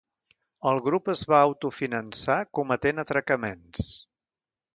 El grup es va autofinançar cometent atracaments.